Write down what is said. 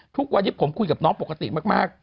ทุกวันนี้ผมคุยกับน้องปกติมาก